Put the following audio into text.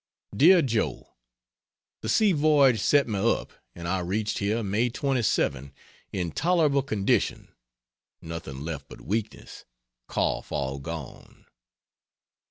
DEAR JOE, The sea voyage set me up and I reached here May 27 in tolerable condition nothing left but weakness, cough all gone.